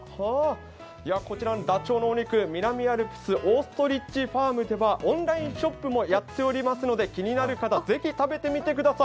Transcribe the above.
ダチョウのお肉、南アルプスオーストリッチファームではオンラインショップもやっておりますので、気になる方、ぜひ食べてみてください。